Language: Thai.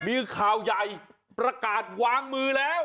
มีข่าวใหญ่ประกาศวางมือแล้ว